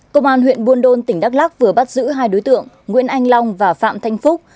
công an huyện buôn đôn tỉnh đắk lắc vừa bắt giữ hai đối tượng nguyễn anh long và phạm thanh phúc